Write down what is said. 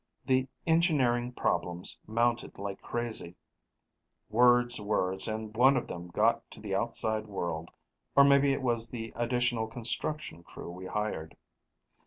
The engineering problems mounted like crazy. Words, words, and one of them got to the outside world. Or maybe it was the additional construction crew we hired.